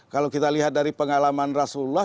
kalau kita lihat dari pengalaman rasulullah